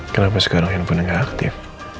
kenapa sekarang handphone gak aktif